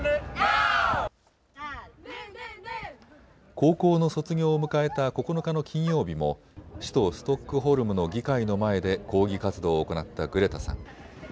高校の卒業を迎えた９日の金曜日も首都ストックホルムの議会の前で抗議活動を行ったグレタさん。